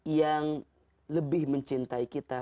yang lebih mencintai kita